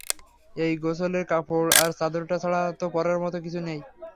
এই গোছলের কাপড় আর চাদরটা ছাড়া তো পরার মতো কিছুই নেই।